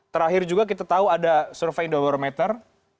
terakhir juga kita tahu ada survei dober meter